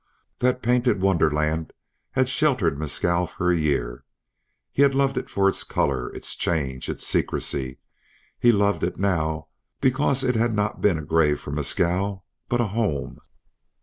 That painted wonderland had sheltered Mescal for a year. He had loved it for its color, its change, its secrecy; he loved it now because it had not been a grave for Mescal, but a home.